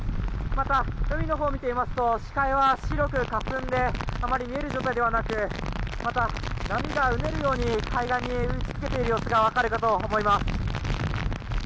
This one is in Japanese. また、海のほうを見てみますと視界は白くかすんであまり見える状態ではなくまた、波がうねるように海岸に打ち付けている様子が分かるかと思います。